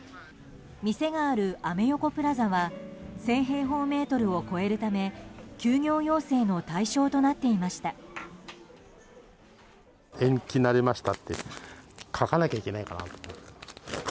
店があるアメ横プラザは１０００平方メートルを超えるため休業要請の対象となっていました。